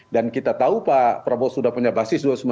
dan kita tahu pak prabowo sudah punya basis dua ribu sembilan belas